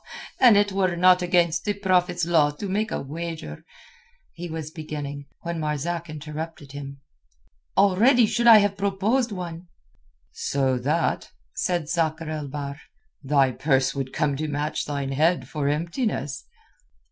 "An it were not against the Prophet's law to make a wager...." he was beginning, when Marzak interrupted him. "Already should I have proposed one." "So that," said Sakr el Bahr, "thy purse would come to match thine head for emptiness."